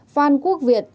phan quốc việt